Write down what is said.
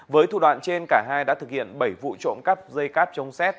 với thủ đoạn trên cả hai đã thực hiện bảy vụ trộm cắt dây cắt chống xét